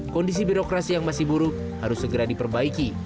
kondisi birokrasi yang masih buruk harus segera diperbaiki